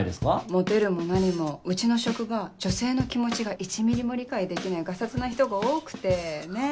モテるも何もうちの職場女性の気持ちが１ミリも理解できないガサツな人が多くてねっ。